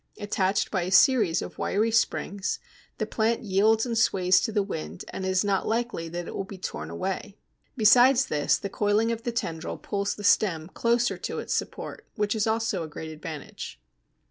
Attached by a series of wiry springs, the plant yields and sways to the wind, and it is not likely that it will be torn away. Besides this, the coiling of the tendril pulls the stem closer to its support, which is also a great advantage.